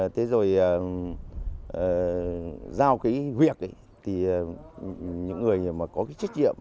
thế rồi giao cái việc ấy thì những người mà có cái trách nhiệm